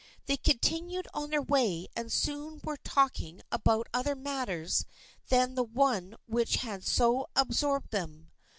They continued on their way and soon were talking about other matters than the one which had so absorbed them.